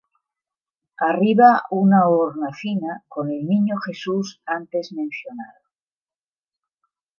Arriba una hornacina con el Niño Jesús antes mencionado.